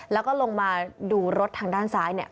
แล้วก็ลงมาดูรถทางด้านซ้ายเนี่ย